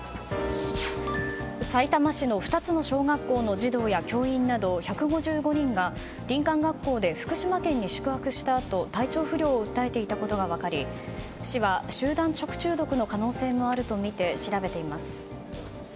さいたま市の２つの小学校の児童や教員など１５５人が林間学校で福島県に宿泊したあと体調不良を訴えていたことが分かり市は集団食中毒の可能性もあるとみて調べています。